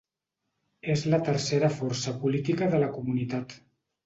És la tercera força política de la comunitat.